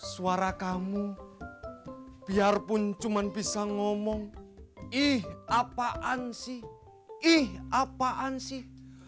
suara kamu biarpun cuma bisa ngomong ih apaan sih ih apaan sih